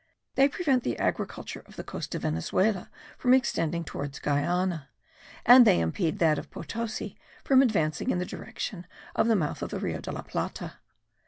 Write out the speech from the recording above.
They prevent the agriculture of the coast of Venezuela from extending towards Guiana and they impede that of Potosi from advancing in the direction of the mouth of the Rio de la Plata.